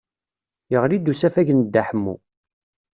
Yeɣli-d usafag n Dda Ḥemmu.